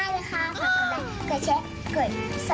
แกเอาน้ำมาเปิดง่ายเลยค่ะ